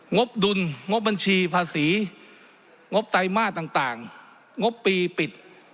งบดุลงบบัญชีภาษีงบไตรมาสต่างงบปีปิด